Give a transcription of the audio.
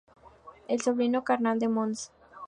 Es sobrino carnal de Mons.